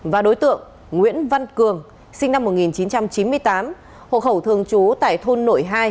và đối tượng nguyễn văn cường sinh năm một nghìn chín trăm chín mươi tám hộ khẩu thường trú tại thôn nội hai